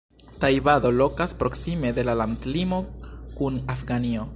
Tajbado lokas proksime de la landlimo kun Afganio.